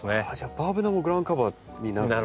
バーベナもグラウンドカバーになるんですね。